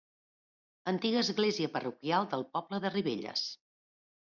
Antiga església parroquial del poble de Ribelles.